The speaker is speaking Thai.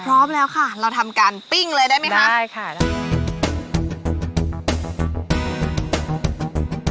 พร้อมแล้วค่ะเราทำการปิ้งเลยได้ไหมคะใช่ค่ะได้